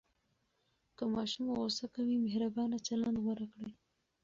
که ماشوم غوصه کوي، مهربانه چلند غوره کړئ.